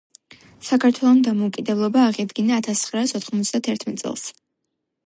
საქართველომ დამოუკიდებლობა აღიდგინა ათას ცხრაას ოთხმოცდა თერთმეტ წელს.